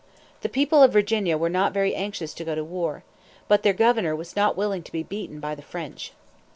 The people of Virginia were not very anxious to go to war. But their governor was not willing to be beaten by the French.